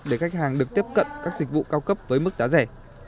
để khách hàng được tiếp cận các dịch vụ cao cấp với mức giá rẻ